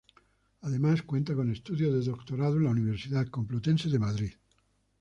Además cuenta con estudios de doctorado en la Universidad Complutense de Madrid.